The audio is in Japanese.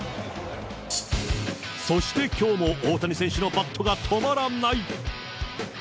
そしてきょうも大谷選手のバットが止まらない。